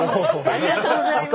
ありがとうございます。